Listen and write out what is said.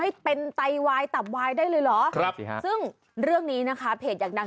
ได้เลยหรอครับซึ่งเรื่องนี้นะคะเพจอย่างดัง